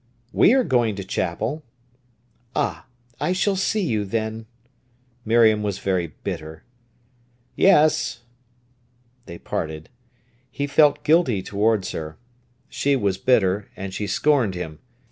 "We are going to chapel." "Ah, I shall see you, then!" Miriam was very bitter. "Yes." They parted. He felt guilty towards her. She was bitter, and she scorned him.